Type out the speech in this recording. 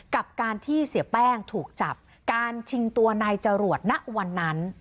กับการที่เสียแป้งถูกจับการชิงตัวนายจรวดณวันนั้น